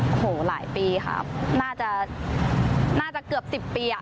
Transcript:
โอ้โฮหลายปีครับน่าจะเกือบ๑๐ปี